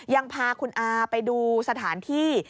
ยังพาคุณอาไปดูสถานที่